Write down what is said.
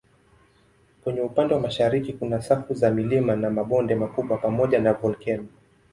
Kwenye upande wa mashariki kuna safu za milima na mabonde makubwa pamoja na volkeno.